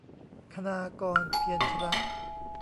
คณากร เพียรชนะ